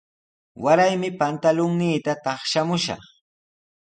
Waraymi pantulunniita taqshamushaq.